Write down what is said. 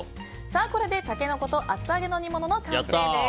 タケノコと厚揚げの煮物の完成です。